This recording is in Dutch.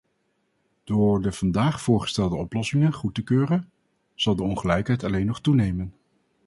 Door de vandaag voorgestelde oplossingen goed te keuren, zal de ongelijkheid alleen nog toenemen.